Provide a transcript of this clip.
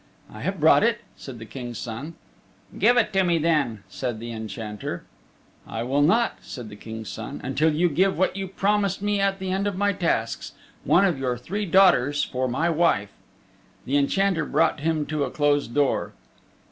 "I have brought it," said the King's Son. "Give it to me then," said the Enchanter. "I will not," said the King's Son, "until you give what you promised me at the end of my tasks one of your three daughters for my wife." The Enchanter brought him to a closed door.